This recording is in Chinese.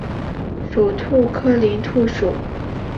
属兔科林兔属。